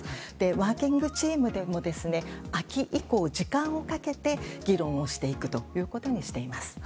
ワーキングチームでも秋以降、時間をかけて議論をしていくということにしています。